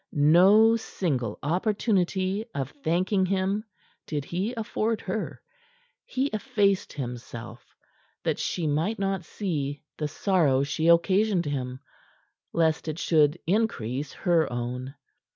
No single opportunity of thanking him did he afford her. He effaced himself that she might not see the sorrow she occasioned him, lest it should increase her own.